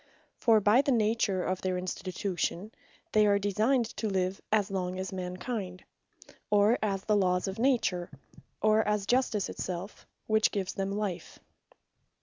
For by the nature of their Institution, they are designed to live, as long as Man kind, or as the Lawes of Nature, or as Justice it selfe, which gives them life.